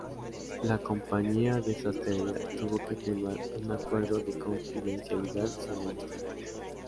La compañía de sastrería tuvo que firmar un acuerdo de confidencialidad sobre los trajes.